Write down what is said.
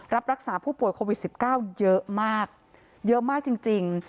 รักษาผู้ป่วยโควิด๑๙เยอะมากเยอะมากจริง